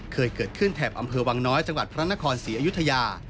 เคยเกิดขึ้นแถบอำเภอวังน้อยจังหวัดพระนครศรีอยุธยา